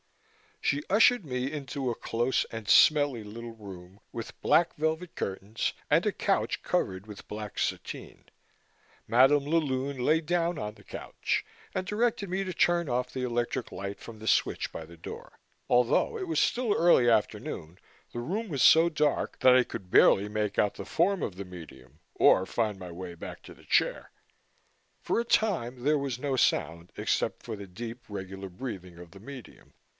She ushered me into a close and smelly little room, with black velvet curtains and a couch covered with black sateen. Madam la Lune lay down on the couch and directed me to turn off the electric light from the switch by the door. Although it was still early afternoon, the room was so dark that I could barely make out the form of the medium or find my way back to my chair. For a time there was no sound except for the deep regular breathing of the medium.